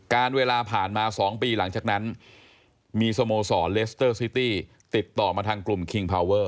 เวลาผ่านมา๒ปีหลังจากนั้นมีสโมสรเลสเตอร์ซิตี้ติดต่อมาทางกลุ่มคิงพาวเวอร์